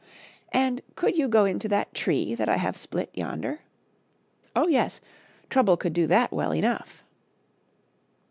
And could you go into that tree that I have split yonder?" Oh, yes ; Trouble could do that well enough.